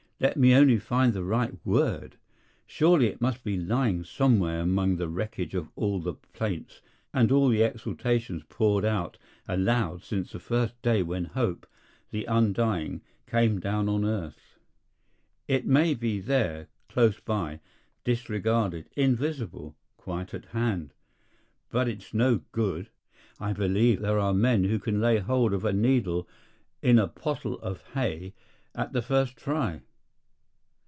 Let me only find the right word! Surely it must be lying somewhere among the wreckage of all the plaints and all the exultations poured out aloud since the first day when hope, the undying, came down on earth. It may be there, close by, disregarded, invisible, quite at hand. But it's no good. I believe there are men who can lay hold of a needle in a pottle of hay at the first try.